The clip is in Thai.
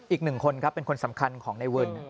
อีกหนึ่งคนครับเป็นคนสำคัญของในเวิร์น